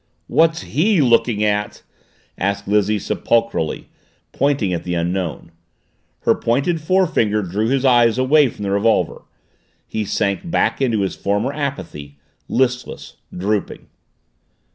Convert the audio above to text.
"What's he looking at?" asked Lizzie sepulchrally, pointing at the Unknown. Her pointed forefinger drew his eyes away from the revolver; he sank back into his former apathy, listless, drooping.